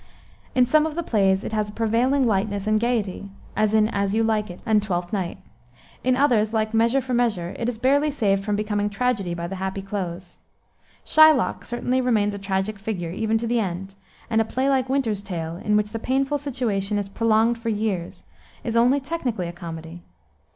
In some of the plays it has a prevailing lightness and gayety, as in As You Like It and Twelfth Night. In others, like Measure for Measure, it is barely saved from becoming tragedy by the happy close. Shylock certainly remains a tragic figure, even to the end, and a play like Winter's Tale, in which the painful situation is prolonged for years, is only technically a comedy.